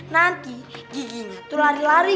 nanti giginya tuh lari lari